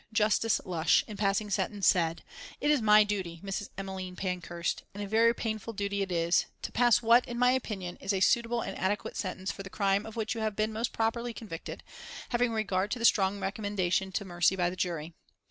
Justice Lush, in passing sentence, said: "It is my duty, Mrs. Emmeline Pankhurst, and a very painful duty it is, to pass what, in my opinion, is a suitable and adequate sentence for the crime of which you have been most properly convicted, having regard to the strong recommendation to mercy by the jury.